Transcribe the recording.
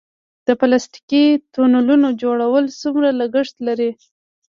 د پلاستیکي تونلونو جوړول څومره لګښت لري؟